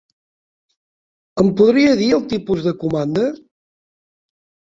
Em podria dir el tipus de comanda?